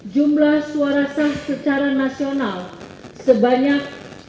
satu jumlah suara sah secara nasional sebanyak satu ratus lima puluh empat dua ratus lima puluh tujuh enam ratus satu